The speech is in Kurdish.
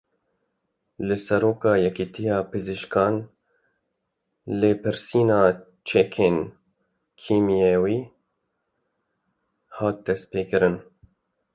Li Seroka Yekîtiya Pizîşkan lêpirsîna çekên kîmyewî hat destpêkirin.